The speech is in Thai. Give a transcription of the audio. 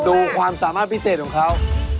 ดูความสามารถพิเศษของเขา